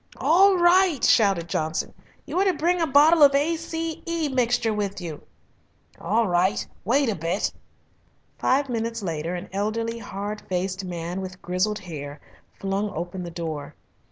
"All right," shouted Johnson. "You are to bring a bottle of A. C. E. mixture with you." "All right! Wait a bit!" Five minutes later an elderly, hard faced man, with grizzled hair, flung open the door.